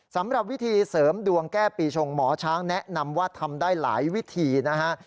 สำหรับวิธีเสริมดวงแก้ปีชงหมอช้างแนะนำว่าทำได้หลายวิธีนะฮะ